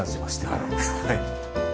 はい。